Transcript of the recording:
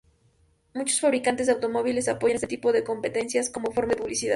Muchos fabricantes de automóviles apoyan este tipo de competencias como forma de publicidad.